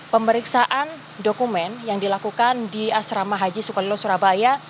pemeriksaan dokumen yang dilakukan di asrama haji sukolilo surabaya